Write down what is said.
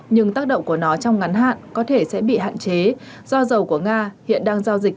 nhưng tác động của nó trong ngắn hạn có thể sẽ bị hạn chế do dầu của nga hiện đang giao dịch